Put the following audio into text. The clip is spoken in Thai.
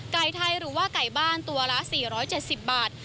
ไก่ไทยหรือว่าไก่บ้านตัวละ๔๗๐บาท